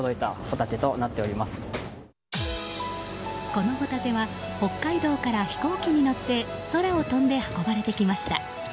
このホタテは北海道から飛行機に載って空を飛んで運ばれてきました。